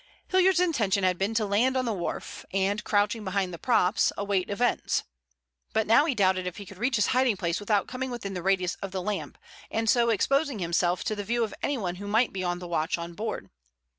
Hilliard's intention had been to land on the wharf and, crouching behind the props, await events. But now he doubted if he could reach his hiding place without coming within the radius of the lamp and so exposing himself to the view of anyone who might be on the watch on board.